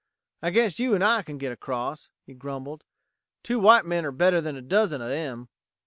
"I guess you and I can get across," he grumbled. "Two white men're better 'an a dozen of 'em."